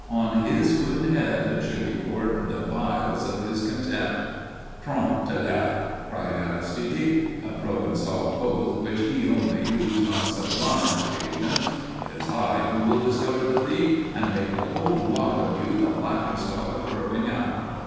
On his wooden head should be poured the vials of his contempt. "Tron de l'air!" cried Aristide a Provençal oath which he only used on sublime occasions "It is I who will discover the thief and make the whole lot of you the laughing stock of Perpignan."